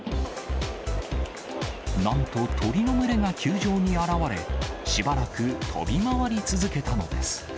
なんと鳥の群れが球場に現れ、しばらく飛び回り続けたのです。